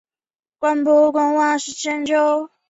古滕斯特滕是德国巴伐利亚州的一个市镇。